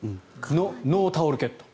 ノータオルケット。